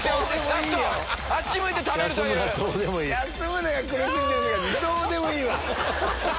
安村が苦しんでる姿どうでもいいわ。